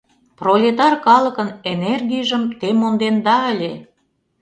Пролетар калыкын энергийжым те монденда ыле.